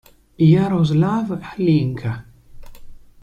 Jaroslav Hlinka